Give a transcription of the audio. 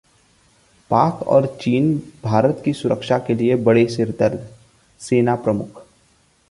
पाक और चीन भारत की सुरक्षा के लिए ‘बड़े सिरदर्द’: सेना प्रमुख